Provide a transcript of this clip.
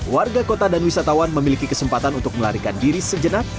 warga kota dan wisatawan memiliki kesempatan untuk melarikan diri sejenak